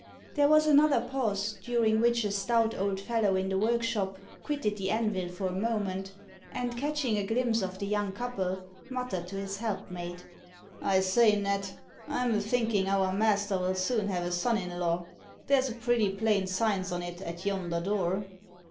There was another pause, during which a stout old fellow in the workshop quitted the anvil for a moment, and, catching a glimpse of the young couple, muttered to his helpmate "I say, Ned, I'm a thinkin' our master'll soon have a son in law. There's pretty plain signs on it at yonder door."